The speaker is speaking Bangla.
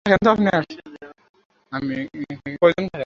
আমিও একই কাজটা করতাম।